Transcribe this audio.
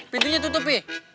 pintunya tutup pi